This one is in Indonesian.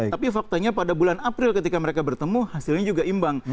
tapi faktanya pada bulan april ketika mereka bertemu hasilnya juga imbang